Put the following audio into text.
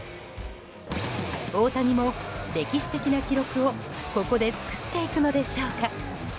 大谷も歴史的な記録をここで作っていくのでしょうか。